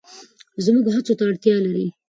زموږ هڅو ته اړتیا لري.